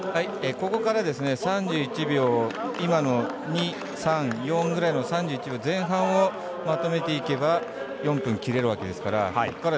ここから３１秒２、３、４ぐらいの３１秒前半をまとめていけば４分切れるわけですから。